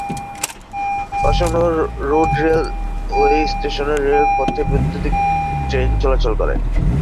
Ashoknagar road railway স্টেশনের রেলপথে বৈদ্যুতীক ট্রেন চলাচল করে।